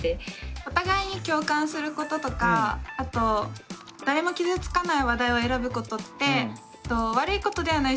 お互いに共感することとかあと誰も傷つかない話題を選ぶことって悪いことではない。